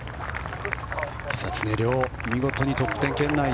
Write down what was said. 久常涼、見事にトップ１０圏内。